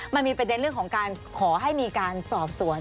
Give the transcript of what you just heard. มันมีประเด็นเรื่องของการขอให้มีการสอบสวน